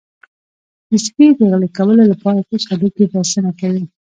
د سپي د غلي کولو لپاره تش هډوکی بسنه کوي.